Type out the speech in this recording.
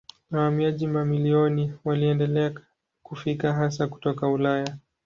Wahamiaji mamilioni waliendelea kufika hasa kutoka Ulaya.